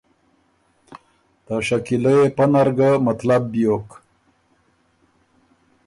ته شکیلۀ يې پۀ نر ګه مطلب بیوک